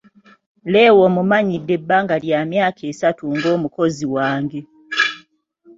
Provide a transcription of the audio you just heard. Leo mumanyidde ebbanga lya myaka esatu ng'omukozi wange.